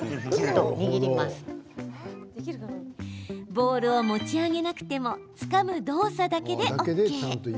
ボールを持ち上げなくてもつかむ動作だけでＯＫ。